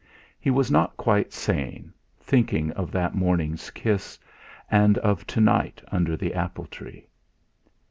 He was not quite sane, thinking of that morning's kiss, and of to night under the apple tree.